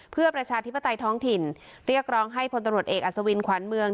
เพื่อประชาธิปไตยท้องถิ่นเรียกร้องให้พลตำรวจเอกอัศวินขวานเมือง